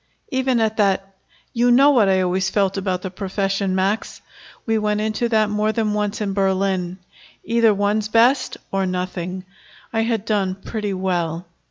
"Even at that " "You know what I always felt about the profession, Max. We went into that more than once in Berlin. Either one's best or nothing. I had done pretty well.